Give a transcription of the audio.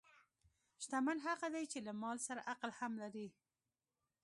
شتمن هغه دی چې له مال سره عقل هم لري.